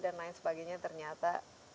dan lain sebagainya ternyata